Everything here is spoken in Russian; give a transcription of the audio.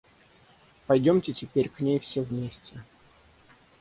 Пойдемте теперь к ней все вместе.